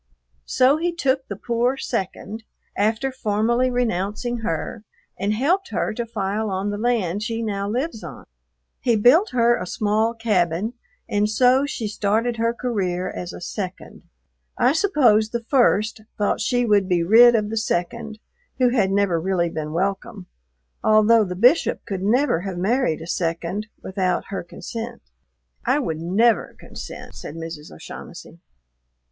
So he took the poor "second," after formally renouncing her, and helped her to file on the land she now lives on. He built her a small cabin, and so she started her career as a "second." I suppose the "first" thought she would be rid of the second, who had never really been welcome, although the Bishop could never have married a "second" without her consent. "I would never consent," said Mrs. O'Shaughnessy.